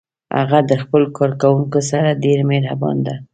هغه د خپلو کارکوونکو سره ډیر مهربان ده